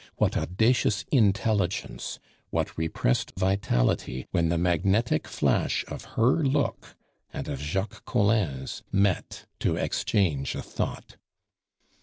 what audacious intelligence, what repressed vitality when the magnetic flash of her look and of Jacques Collin's met to exchange a thought!